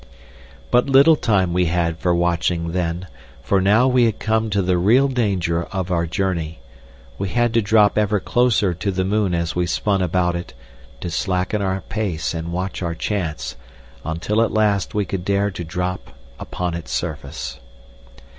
But little time we had for watching then. For now we had come to the real danger of our journey. We had to drop ever closer to the moon as we spun about it, to slacken our pace and watch our chance, until at last we could dare to drop upon its surface.